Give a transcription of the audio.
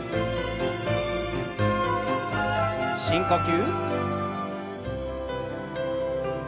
深呼吸。